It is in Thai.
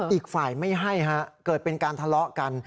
อีกฝ่ายไม่ให้ฮะเกิดเป็นการทะเลาะกัน